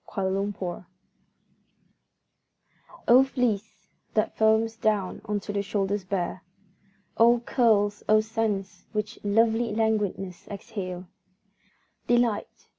La Chevelure O fleece, that foams down unto the shoulders bare! O curls, O scents which lovely languidness exhale! Delight!